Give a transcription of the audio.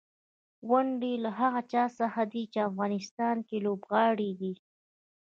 ونډې یې له هغه چا څخه دي چې په افغانستان کې لوبغاړي دي.